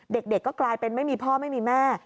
เด็กก็กลายเป็นไม่มีพ่อไม่มีแม่